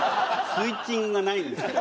スイッチングがないんですよ。